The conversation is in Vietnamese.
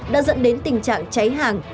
đã dẫn đến tình trạng cháy hàng